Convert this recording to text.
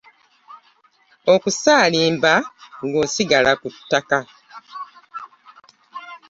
Okusaalimba ng’osigala ku ttaka.